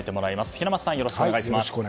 平松さん、よろしくお願いします。